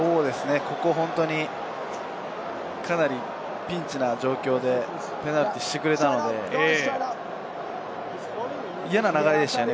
本当にかなりピンチな状況で、ペナルティーをしてくれたので、嫌な流れでしたよね。